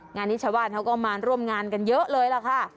งานนี้ชาวบ้านเขาก็มาร่วมงานกันเยอะเลยล่ะค่ะ